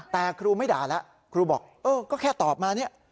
แต่ครูไม่ด่าแล้วครูบอกเออก็แค่ตอบมาเนี่ย